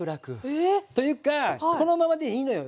えっ！というかこのままでいいのよ。